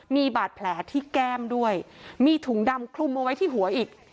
มีบาดแผลที่แก้มด้วยมีถุงดำคลุมเอาไว้ที่หัวอีก